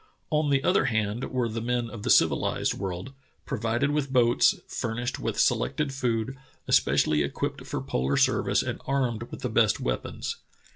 On the other hand were the men of the civilized world, The Angekok Kalutunah 135 provided with boats, furnished with selected food, espe cially equipped for polar service, and armed with the best weapons.